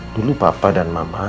dulu papa dan mama